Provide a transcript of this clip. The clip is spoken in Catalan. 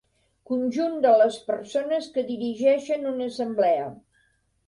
Conjunt de les persones que dirigeixen una assemblea.